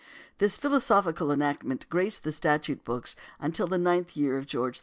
This philosophical enactment graced the statute book until the ninth year of George II.